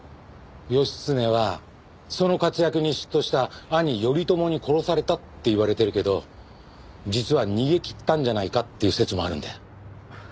義経はその活躍に嫉妬した兄頼朝に殺されたっていわれてるけど実は逃げきったんじゃないかっていう説もあるんだよ。